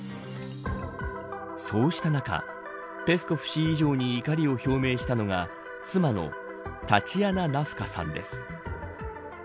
そうした中、ペスコフ氏以上に怒りを表明したのが妻のタチアナ・ナフカさんです。